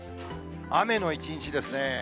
雨の一日ですね。